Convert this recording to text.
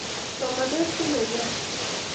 Somanet ko nenyo